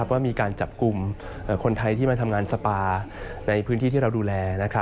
ว่ามีการจับกลุ่มคนไทยที่มาทำงานสปาในพื้นที่ที่เราดูแล